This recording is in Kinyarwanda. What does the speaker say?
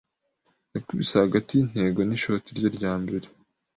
Yakubise hagati yintego nishoti rye rya mbere.